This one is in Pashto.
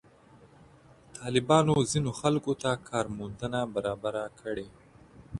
طالبانو ځینو خلکو ته کار موندنه برابره کړې.